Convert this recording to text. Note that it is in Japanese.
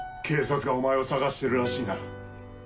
警察がお前を捜してるらしいな。